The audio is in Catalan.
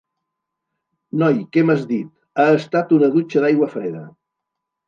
Noi, què m'has dit: ha estat una dutxa d'aigua freda!